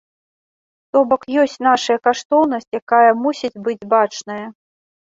То бок ёсць нашая каштоўнасць, якая мусіць быць бачная.